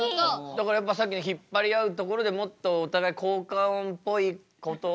だからやっぱさっきの引っ張り合うところでもっとお互い効果音っぽいことを。